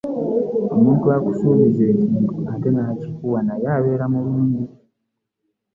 Omuntu akusuubiza ekintu ate n'akikuwa naye abeera mulungi.